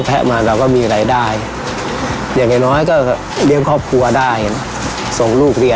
เพราะมี้ชนมได้นี่